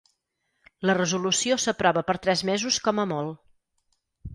La resolució s’aprova per tres mesos com a molt.